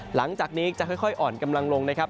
หลังจากนี้จะค่อยอ่อนกำลังลงนะครับ